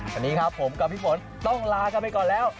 วันนี้ครับผมกับพี่ฝนต้องลากันไปก่อนแล้ว